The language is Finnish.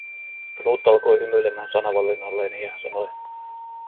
Knut alkoi hymyilemään sanavalinnalleni ja sanoi: